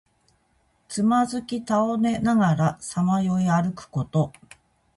つまずき倒れながらさまよい歩くこと。